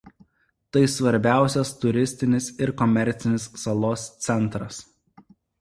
Tai svarbiausias turistinis ir komercinis salos centras.